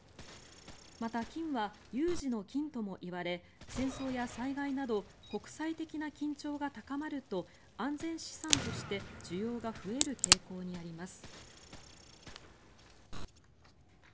また、金は有事の金ともいわれ戦争や災害など国際的な緊張が高まると安全資産として需要が増える傾向にあります。